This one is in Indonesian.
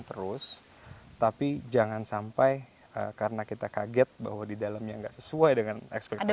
terus tapi jangan sampai karena kita kaget bahwa di dalamnya nggak sesuai dengan ekspektasi